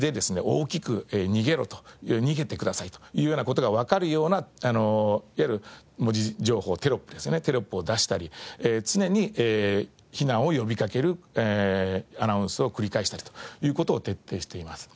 大きく「逃げろ」と「逃げてください」というような事がわかるようないわゆる文字情報テロップですねテロップを出したり常に避難を呼びかけるアナウンスを繰り返したりという事を徹底しています。